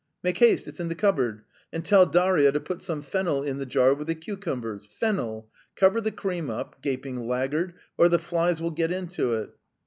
"Make haste; it's in the cupboard! And tell Daria to put some fennel in the jar with the cucumbers! Fennel! Cover the cream up, gaping laggard, or the flies will get into it!"